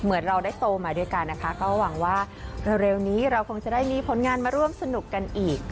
เราได้โตมาด้วยกันนะคะก็หวังว่าเร็วนี้เราคงจะได้มีผลงานมาร่วมสนุกกันอีก